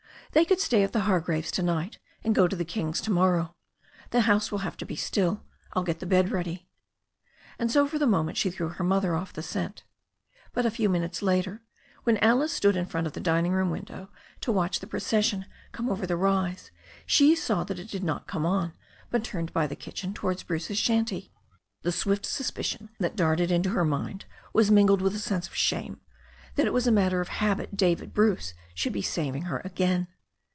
"They could stay at the Hargraves' to night, and go to the Kings' to morrow. The house will have to be still. I'll get the bed ready." And so for the moment she threw her mother off the scent. But a few minutes later, when Alice stood in front of the dining room window to watch the procession come over the rise, she saw that it did not come on, but turned by the kitchen towards Bruce's shanty. The swift suspicion that darted into her mind was mingled with a sense of s.K'&scsft. 404 THE STORY OF A NEW ZEALAND RIVER that as a matter of habit David Bruce should be saving her again.